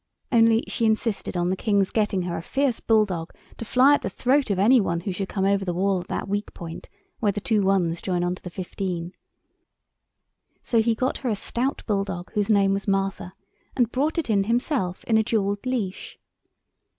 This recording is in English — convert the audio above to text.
Only she insisted on the King's getting her a fierce bull dog to fly at the throat of any one who should come over the wall at that weak point where the two 1's join on to the 15. So he got her a stout bull dog whose name was Martha, and brought it himself in a jewelled leash.